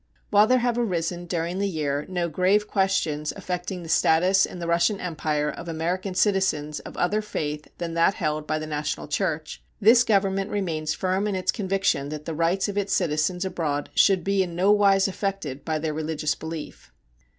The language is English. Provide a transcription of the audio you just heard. While there have arisen during the year no grave questions affecting the status in the Russian Empire of American citizens of other faith than that held by the national church, this Government remains firm in its conviction that the rights of its citizens abroad should be in no wise affected by their religious belief.